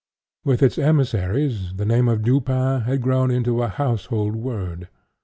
With its emissaries, the name of Dupin had grown into a household word.